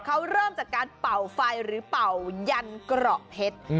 เขาเริ่มจากการเป่าไฟหรือเป่ายันเกราะเพชร